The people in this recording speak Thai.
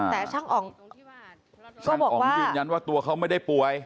แต่ช่างอ๋องเขาบอกอ๋องยืนยันว่าตัวเขาไม่ได้ป่วย